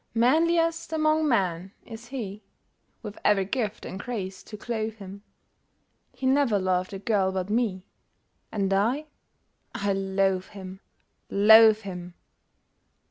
Manliest among men is he With every gift and grace to clothe him; He never loved a girl but me — And I I loathe him! loathe him!